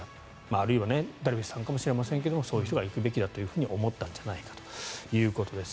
あるいは、ダルビッシュさんかもしれませんがそういう人が行くべきだと思ったんじゃないかということです。